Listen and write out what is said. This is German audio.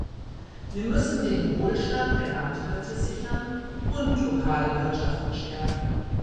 Wir müssen den Wohlstand der Landwirte sichern und lokale Wirtschaften stärken.